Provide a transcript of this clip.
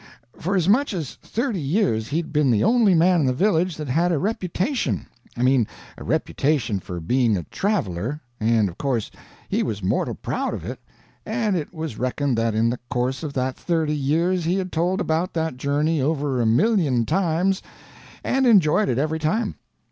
For as much as thirty years he'd been the only man in the village that had a reputation—I mean a reputation for being a traveler, and of course he was mortal proud of it, and it was reckoned that in the course of that thirty years he had told about that journey over a million times and enjoyed it every time.